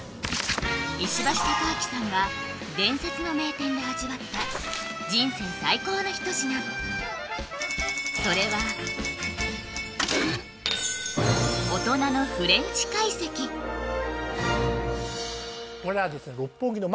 石橋貴明さんが伝説の名店で味わった人生最高の一品それは大人のこれはですね